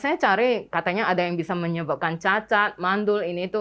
saya cari katanya ada yang bisa menyebabkan cacat mandul ini itu